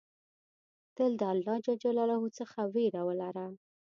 تل د الله ج څخه ویره ولره.